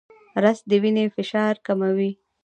رس د وینې فشار کموي